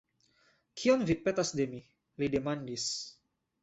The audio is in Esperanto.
Kion vi petas de mi? li demandis.